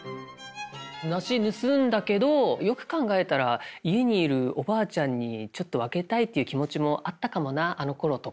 梨盗んだけどよく考えたら家にいるおばあちゃんにちょっと分けたいっていう気持ちもあったかもなあのころとか。